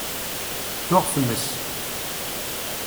Tuɣ tmes.